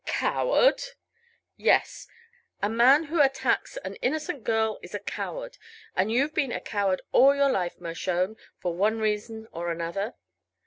"Coward?" "Yes. A man who attacks an innocent girl is a coward. And you've been a coward all your life, Mershone, for one reason or another.